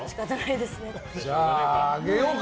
じゃあ、あげようか。